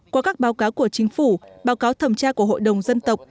qua các báo cáo của chính phủ báo cáo thẩm tra của hội đồng dân tộc